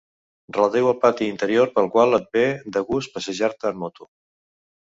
Relatiu al pati interior pel qual et ve de gust passejar-te en moto.